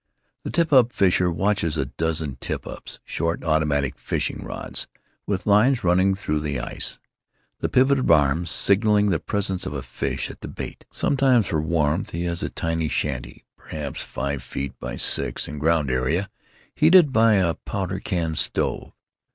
The tip up fisher watches a dozen tip ups—short, automatic fishing rods, with lines running through the ice, the pivoted arm signaling the presence of a fish at the bait. Sometimes, for warmth, he has a tiny shanty, perhaps five feet by six in ground area, heated by a powder can stove.